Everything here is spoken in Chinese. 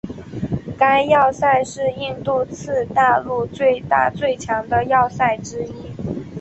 该要塞是印度次大陆最大最强的要塞之一。